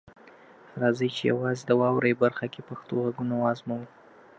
راځئ چې یوازې د "واورئ" برخه کې پښتو غږونه وازموو.